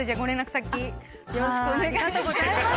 よろしくお願いします。